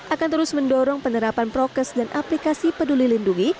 akan terus mendorong penerapan prokes dan aplikasi peduli lindungi